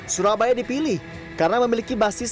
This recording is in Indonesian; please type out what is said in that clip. surabaya dipilih karena memiliki basis